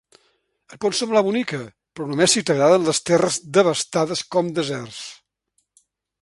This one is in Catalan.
Et pot semblar bonica, però només si t'agraden les terres devastades com deserts.